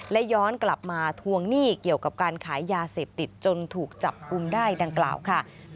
และย้อนกลับมาทวงหนี้เกี่ยวกับการขายยาเสพติดจนถูกจับกุมได้ดังกล่าวค่ะ